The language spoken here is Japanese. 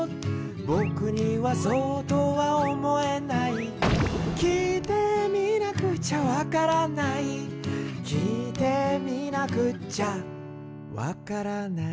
「ぼくにはそうとは思えない」「聞いてみなくちゃわからない」「聞いてみなくっちゃわからない」